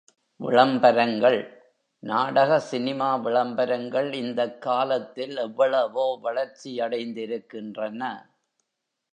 விளம்பரங்கள் நாடக சினிமா விளம்பரங்கள் இந்தக் காலத்தில் எவ்வளவோ வளர்ச்சியடைந்திருக்கின்றன.